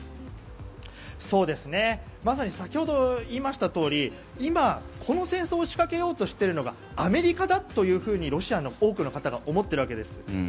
まさに先ほど言いましたとおり今、この戦争を仕掛けようとしてりうのがアメリカだというふうにロシアの多くの方が思っているわけです。